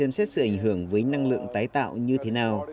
tổn thất điện năng có sự ảnh hưởng với năng lượng tái tạo như thế nào